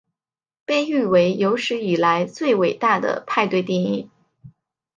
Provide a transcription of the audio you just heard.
被誉为有史以来最伟大的派对电影。